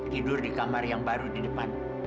tidur di kamar yang baru di depan